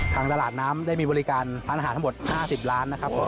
ตลาดน้ำได้มีบริการร้านอาหารทั้งหมด๕๐ล้านนะครับผม